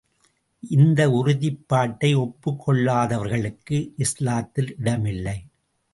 இந்த உறுதிப்பாட்டை ஒப்புக் கொள்ளாதவர்களுக்கு இஸ்லாத்தில் இடமில்லை.